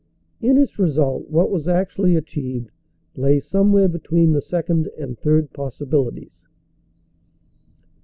In its result what was actually achieved lay somewhere between the second and third possibilities.